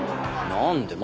何で？